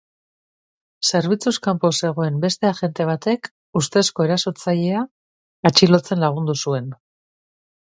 Zerbitzuz kanpo zegoen beste agente batek ustezko erasotzailea atxilotzen lagundu zuen.